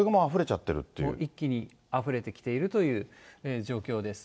一気にあふれてきているという状況です。